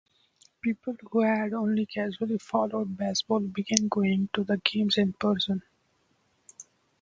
People who had only casually followed baseball began going to the games in person.